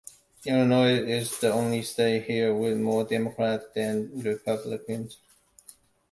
Illinois is the only state here with more Democrats than Republicans.